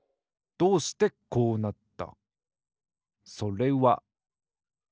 どうしてこうなった？